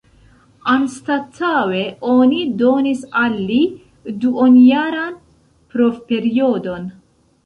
Anstataŭe oni donis al li duonjaran provperiodon.